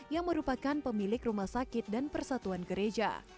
yang merupakan pemilik rumah sakit dan persatuan gereja